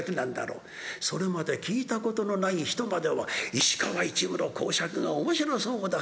それまで聴いたことのない人までを石川一夢の講釈が面白そうだ